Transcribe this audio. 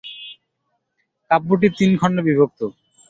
কাব্যটি তিন খণ্ডে বিভক্ত।